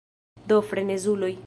Do, frenezuloj.